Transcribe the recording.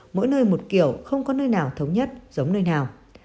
mỗi nơi một kiểu không có nơi nào thống nhất giống nơi nào